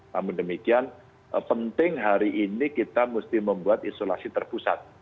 namun demikian penting hari ini kita mesti membuat isolasi terpusat